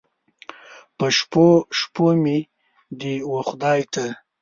په شپو، شپو مې دې و خدای ته